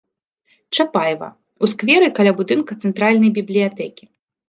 Чапаева, у скверы каля будынка цэнтральнай бібліятэкі.